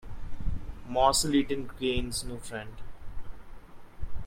A morsel eaten gains no friend.